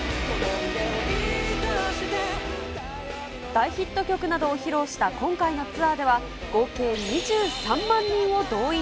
大ヒット曲などを披露した今回のツアーでは、合計２３万人を動員。